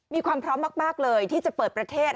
มีความพร้อมมากเลยที่จะเปิดประเทศ